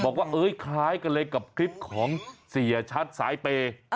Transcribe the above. บอกว่าคล้ายกันเลยกับคลิปของเสียชัดสายเปย์